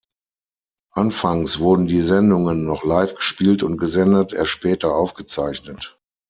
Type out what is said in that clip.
Anfangs wurden die Sendungen noch live gespielt und gesendet, erst später aufgezeichnet.